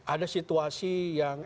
ada situasi yang